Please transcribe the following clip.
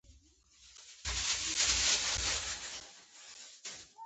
ده په اشارو او غږ وويل.